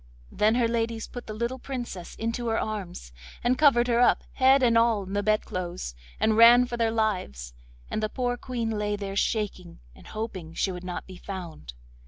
Then her ladies put the little Princess into her arms, and covered her up, head and all, in the bedclothes, and ran for their lives, and the poor Queen lay there shaking, and hoping she would not be found.